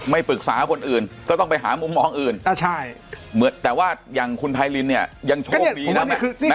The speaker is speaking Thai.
ไม่ปรึกษาคนอื่นก็ต้องไปหามุมมองอื่นแต่ว่าอย่างคุณไพรินเนี่ยยังโชคดีนะ